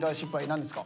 何ですか？